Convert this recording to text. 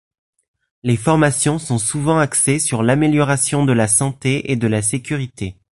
Les formations sont souvent axées sur l’amélioration de la santé et de la sécurité.